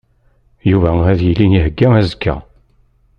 Yuba ad yili ihegga azekka.